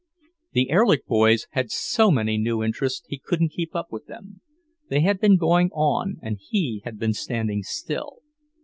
The Erlich boys had so many new interests he couldn't keep up with them; they had been going on, and he had been standing still.